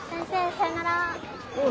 さよなら。